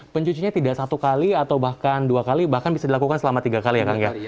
pencucinya tidak satu kali atau bahkan dua kali bahkan bisa dilakukan selama tiga kali ya kang ya